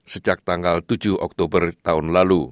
sejak tanggal tujuh oktober tahun lalu